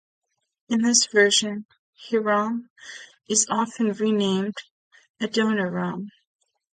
In this version, Hiram is often renamed Adoniram.